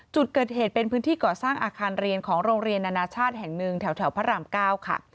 จุดเกิดเหตุเป็นพื้นที่ก่อสร้างอาคารเรียนของโรงเรียนนานาชาติแห่งหนึ่งแถวพระราม๙ค่ะ